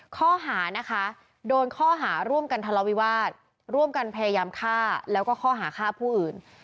ข้อหานะคะโดนข้อหาร่วมกันทะเลาวิวาสร่วมกันพยายามฆ่าแล้วก็ข้อหาฆ่าผู้อื่น